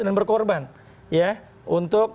dan berkorban ya untuk